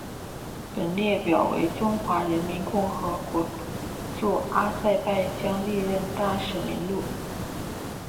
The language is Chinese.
本列表为中华人民共和国驻阿塞拜疆历任大使名录。